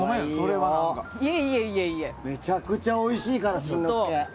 めちゃめちゃおいしいから新之助。